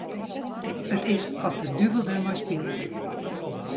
It is oft de duvel dermei spilet.